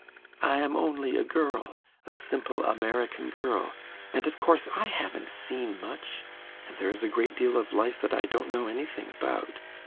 I am only a girl, a simple American girl, and of course I haven't seen much, and there is a great deal of life that I don't know anything about.